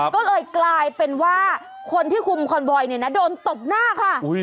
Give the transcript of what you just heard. ก็เลยกลายเป็นว่าคนที่คุมคอนไบร์โดนตกหน้าค่ะ